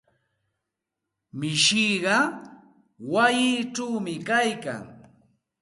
Mishiqa wayichawmi kaykan.